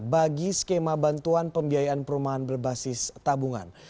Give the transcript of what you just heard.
bagi skema bantuan pembiayaan perumahan berbasis tabungan